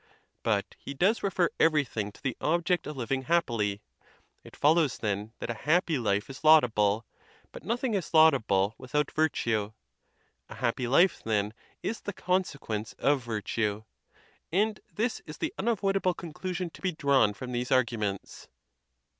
But he does refer everything to the object of living hap pily: it follows, then, that a happy life is laudable; but nothing is laudable without virtue: a happy life, then, is the consequence of virtue. And this is the unavoidable conclusion to be drawn from these arguments.